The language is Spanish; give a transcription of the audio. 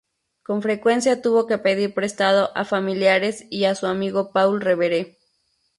Con frecuencia tuvo que pedir prestado a familiares y a su amigo Paul Revere.